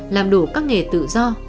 làm đủ các nghề tự do